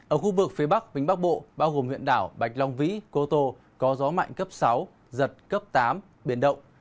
ở khu vực phía bắc vĩnh bắc bộ bao gồm huyện đảo bạch long vĩ cô tô có gió mạnh cấp sáu giật cấp tám biển động